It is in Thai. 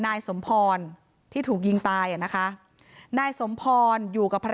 นายสาราวุธคนก่อเหตุอยู่ที่บ้านกับนางสาวสุกัญญาก็คือภรรยาเขาอะนะคะ